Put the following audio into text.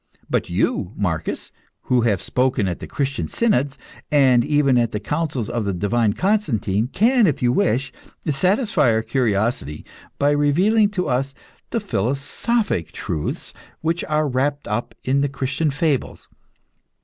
But you Marcus, who have spoken at the Christian synods, and even at the councils of the divine Constantine, can if you wish, satisfy our curiosity by revealing to us the philosophic truths which are wrapped up in the Christian fables.